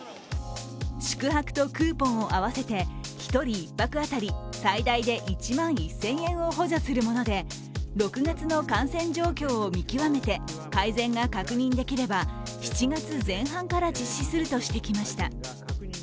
宿泊とクーポンを合わせて１人１泊当たり最大で１万１０００円を補助するもので６月の感染状況を見極めて改善が確認できれば７月前半から実施するとしてきました。